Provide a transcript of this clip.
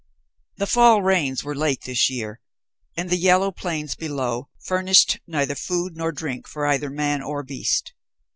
The fall rains were late this year, and the yellow plains below furnished neither food nor drink for either man or beast.